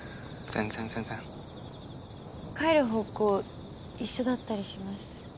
帰る方向一緒だったりします？